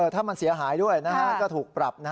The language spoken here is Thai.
ถ้ามันเสียหายด้วยก็ถูกปรับ